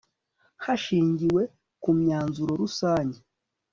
hashingiwe ku myanzuro rusange